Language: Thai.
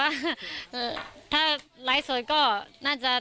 แล้วอันนี้ก็เปิดแล้ว